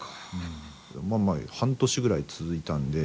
半年ぐらい続いたんで。